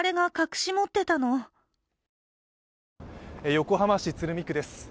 横浜市鶴見区です